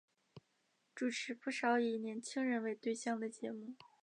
主持不少以年青人为对象的节目。